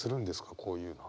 こういうのは。